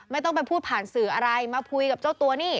ไม่ต้องไปพูดผ่านสื่ออะไรมาคุยกับเจ้าตัวนี่